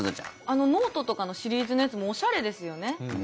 あのノートとかのシリーズのやつもおしゃれですよね。